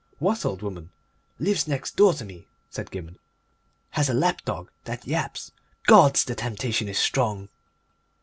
"What old woman?" "Lives next door to me," said Gibberne. "Has a lapdog that yaps. Gods! The temptation is strong!"